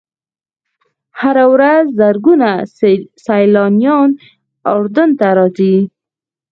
هره ورځ زرګونه سیلانیان اردن ته راځي.